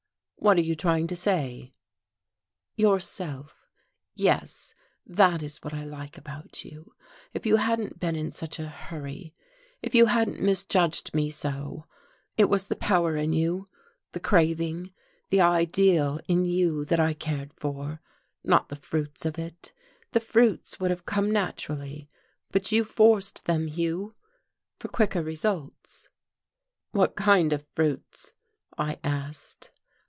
What are you trying to say?" "Yourself. Yes, that is what I like about you. If you hadn't been in such a hurry if you hadn't misjudged me so. It was the power in you, the craving, the ideal in you that I cared for not the fruits of it. The fruits would have come naturally. But you forced them, Hugh, for quicker results." "What kind of fruits?" I asked.